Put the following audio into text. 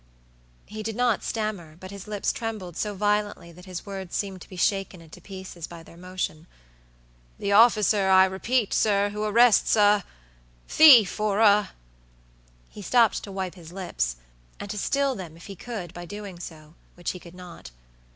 He did not stammer, but his lips trembled so violently that his words seemed to be shaken into pieces by their motion. "The officer, I repeat, sir, who arrests athief, or a." He stopped to wipe his lips, and to still them if he could by doing so, which he could not.